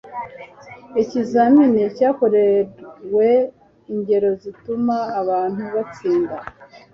ikizamini cyakorewe ingero bituma abantu batsinda